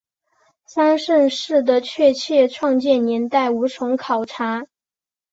三圣寺的确切创建年代无从考证。